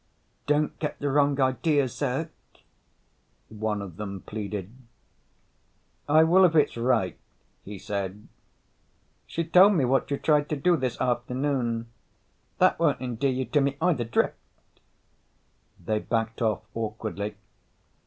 "Don't get the wrong idea, Zirk," one of them pleaded. "I will if it's right," he said. "She told me what you tried to do this afternoon. That won't endear you to me, either. Drift." They backed off awkwardly.